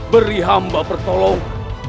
beri hamba pertolong